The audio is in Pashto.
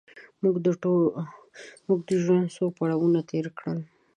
موږ د ژوند څو پړاوونه تېر کړل.